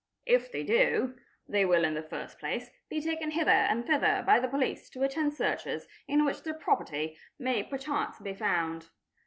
If they do, they will in the first place be taken hither and thither by the police to attend searches in which their property may perchance be found.